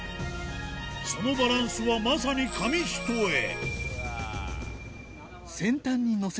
そのバランスはまさにえぇ！